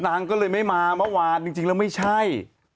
นางก็เลยไม่มาเมื่อวานจริงแล้วไม่ใช่